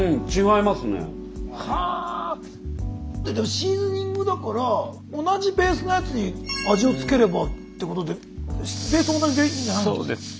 シーズニングだから同じベースのやつに味を付ければってことでベースは同じでいいんじゃないですか？